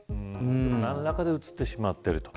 何らかでうつってしまっていると。